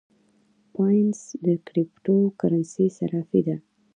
بایننس د کریپټو کرنسۍ صرافي ده